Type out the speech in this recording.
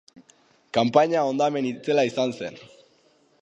Kanpaina hondamen itzela izan zen.